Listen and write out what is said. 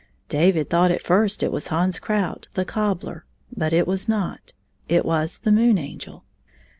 David thought at first it was Hans Krout, the cobbler, but it was not. It was the Moon Angel.